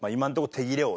手切れ王。